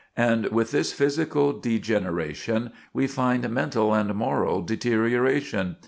And with this physical degeneration we find mental and moral deterioration.